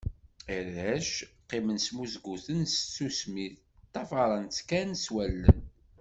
Arrac, qqimen smuzguten s tsusmi, ṭṭafaren-tt kan s wallen.